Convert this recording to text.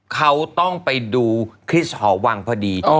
เขาต้องไปดูคริสหอวังพอดี